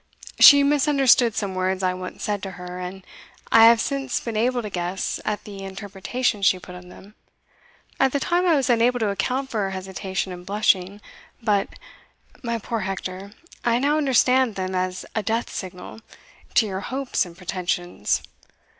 She misunderstood some words I once said to her, and I have since been able to guess at the interpretation she put on them. At the time I was unable to account for her hesitation and blushing; but, my poor Hector, I now understand them as a death signal to your hopes and pretensions.